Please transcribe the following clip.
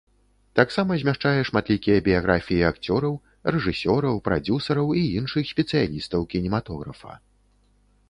Таксама змяшчае шматлікія біяграфіі акцёраў, рэжысёраў, прадзюсараў і іншых спецыялістаў кінематографа.